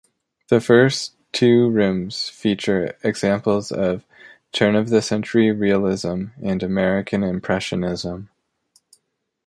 The first two rooms feature examples of turn-of-the-century realism and American impressionism.